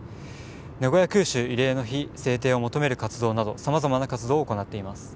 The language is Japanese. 「名古屋空襲慰霊の日」制定を求める活動などさまざまな活動を行っています。